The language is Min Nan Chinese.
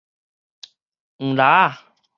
黃蠟仔